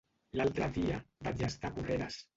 L'altre dia vaig estar a Porreres.